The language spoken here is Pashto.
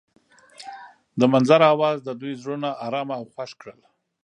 د منظر اواز د دوی زړونه ارامه او خوښ کړل.